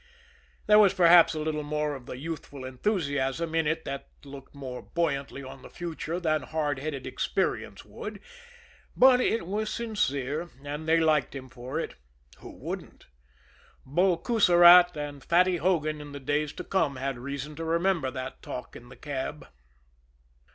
There was perhaps a little more of the youthful enthusiasm in it that looked more buoyantly on the future than hard headed experience would; but it was sincere, and they liked him for it who wouldn't? Bull Coussirat and Fatty Hogan in the days to come had reason to remember that talk in the cab.